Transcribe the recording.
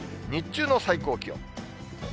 日中の最高気温。